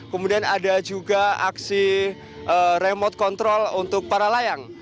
kemudian ada juga aksi remote control untuk para layang